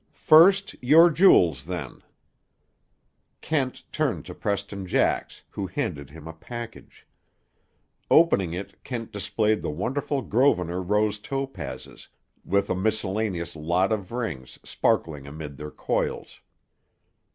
"First, your jewels, then." Kent turned to Preston Jax, who handed him a package. Opening it, Kent displayed the wonderful Grosvenor rose topazes, with a miscellaneous lot of rings sparkling amid their coils.